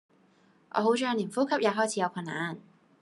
我好像連呼吸也開始有困難